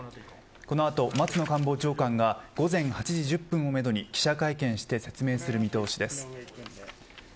この後、松野官房長官が午前８時１０分をめどに記者会見をして説明する見通しです。